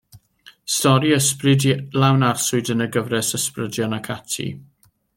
Stori ysbryd lawn arswyd yn y gyfres Ysbrydion ac Ati.